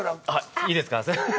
いいですか。